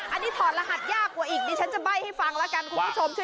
อันนี้ถอดรหัสยากกว่าอีกดิฉันจะใบ้ให้ฟังแล้วกันคุณผู้ชม